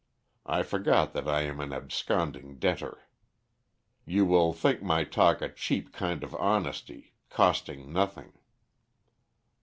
I forgot that I am an absconding debtor. You will think my talk a cheap kind of honesty, costing nothing."